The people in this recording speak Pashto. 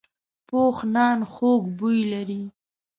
پوخ نان خوږ بوی لري